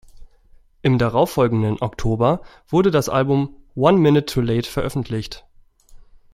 Im darauf folgenden Oktober wurde das Album "One Minute Too Late" veröffentlicht.